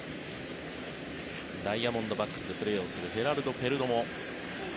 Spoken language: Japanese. ダイヤモンドバックスでプレーをするヘラルド・ペルドモ。